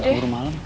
udah dimuruh malem